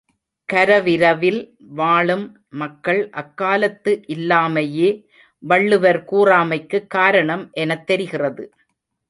கரவிரவில் வாழும் மக்கள் அக்காலத்து இல்லாமையே வள்ளுவர் கூறாமைக்குக் காரணம் எனத் தெரிகிறது.